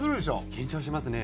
緊張しますね。